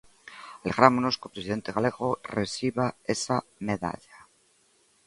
Alegrámonos que o presidente galego reciba esa medalla.